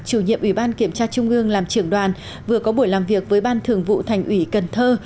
chủ nhiệm ủy ban kiểm tra trung ương làm trưởng đoàn vừa có buổi làm việc với ban thường vụ thành ủy cần thơ